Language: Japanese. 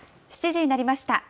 ７時になりました。